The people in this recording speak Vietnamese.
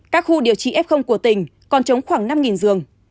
các khu điều trị f của tỉnh còn chống khoảng năm giường